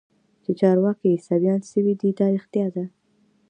چې چارواکي عيسويان سوي دي دا رښتيا ده.